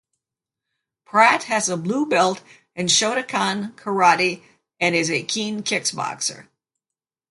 Pratt has a blue belt in Shotokan karate and is a keen kickboxer.